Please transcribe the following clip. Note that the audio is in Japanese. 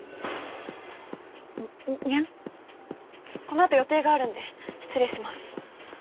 このあと予定があるので失礼します。